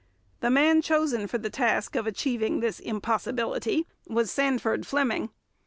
The man chosen for the task of achieving this impossibility was Sandford Fleming.